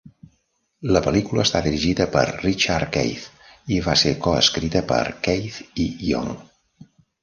La pel·lícula està dirigida per Richard Keith i va ser coescrita per Keith i Young.